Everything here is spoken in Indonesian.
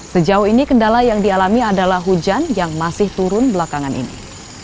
sejauh ini kendala yang dialami adalah hujan yang masih turun belakangan ini